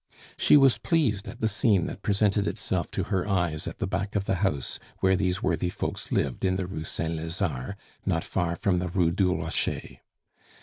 She was pleased at the scene that presented itself to her eyes at the back of the house where these worthy folks lived in the Rue Saint Lazare, not far from the Rue du Rocher.